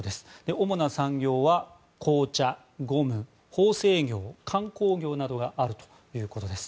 主な産業は紅茶、ゴム、縫製業観光業などがあるということです。